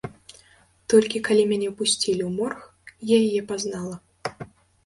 Толькі калі мяне пусцілі ў морг, я яе пазнала.